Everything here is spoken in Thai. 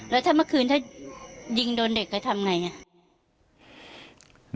แล้วถ้าเมื่อคืนถ้ายิงโดนเด็กก็ทำไงอ่ะ